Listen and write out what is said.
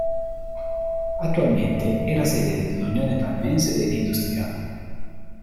Attualmente è la sede dell'Unione Parmense degli Industriali.